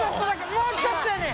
もうちょっとやねん！